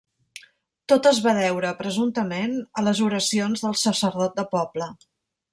Tot es va deure, presumptament, a les oracions del sacerdot de poble.